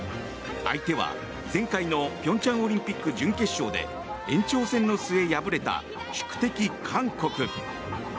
相手は前回の平昌オリンピック準決勝で延長戦の末、敗れた宿敵・韓国。